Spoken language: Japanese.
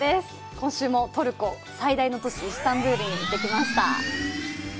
今週もトルコ最大の都市、イスタンブルに行ってきました。